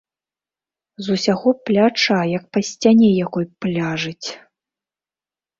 З усяго пляча, як па сцяне якой, пляжыць.